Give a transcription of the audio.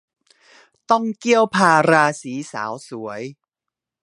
ต้องเกี้ยวพาราสีสาวสวย